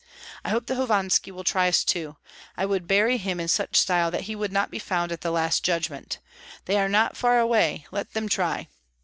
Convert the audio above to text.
I hope that Hovanski will try us too; I would bury him in such style that he would not be found at the last judgment. They are not far away, let them try!